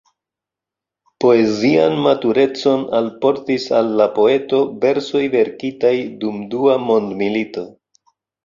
Poezian maturecon alportis al la poeto versoj verkitaj dum Dua mondmilito.